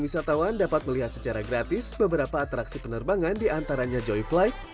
wisatawan dapat melihat secara gratis beberapa atraksi penerbangan diantaranya joy flight